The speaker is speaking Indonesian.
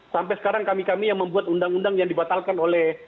sampai sekarang kami kami yang membuat undang undang yang dibatalkan oleh